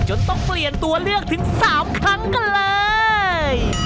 จนต้องเปลี่ยนตัวเลือกถึง๓ครั้งกันเลย